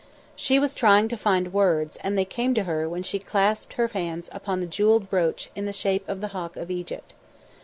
She was trying to find words, and they came to her when she clasped her hands upon the jewelled brooch in the shape of the Hawk of Egypt.